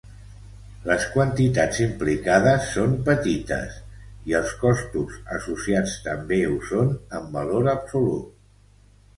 Les quantitats implicades són petites i els costos associats també ho són en valor absolut.